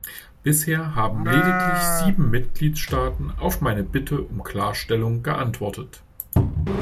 Bisher haben lediglich sieben Mitgliedstaaten auf meine Bitte um Klarstellung geantwortet.